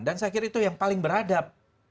dan saya kira itu yang paling beradab